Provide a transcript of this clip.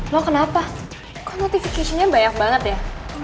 mau kenapa kok notification nya banyak banget ya